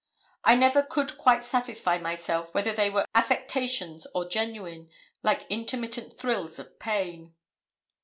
I never could quite satisfy myself whether they were affectations or genuine, like intermittent thrills of pain.